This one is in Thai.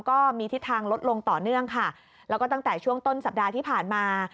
ก็มีทิศทางลดลงต่อเนื่องค่ะแล้วก็ตั้งแต่ช่วงต้นสัปดาห์ที่ผ่านมา